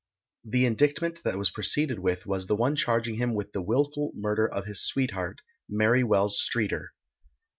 The indictment that was proceeded with was the one charging him with the wilful murder of his sweetheart, Mary Wells Streeter.